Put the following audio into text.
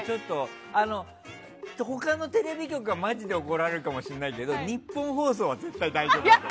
他のテレビ局はマジで怒られるかもしれないけどニッポン放送は絶対に大丈夫。